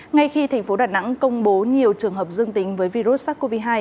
ngay khi thành phố đà nẵng công bố nhiều trường hợp dương tính với virus sars cov hai